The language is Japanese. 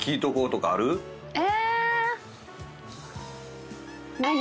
え！